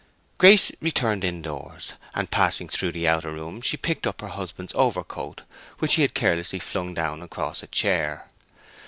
Grace returned in doors. In passing through the outer room she picked up her husband's overcoat which he had carelessly flung down across a chair.